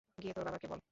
গিয়ে তোর বাবাকে বল।